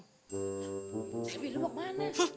selby lo mau ke mana